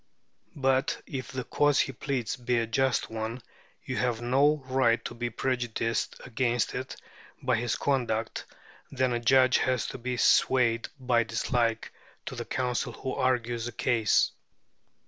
But if the cause he pleads be a just one, you have no more right to be prejudiced against it by his conduct than a judge has to be swayed by dislike to the counsel who argues a case.